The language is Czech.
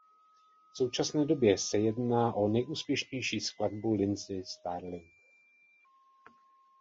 V současné době se jedná o nejúspěšnější skladbu Lindsey Stirling.